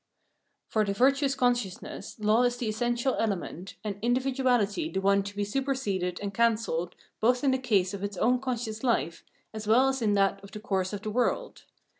For the virtuous consciousness law is the essential element, and individuality the one to be superseded and cancelled both in the case of its own conscious hfe, as well as in that of the course of the world.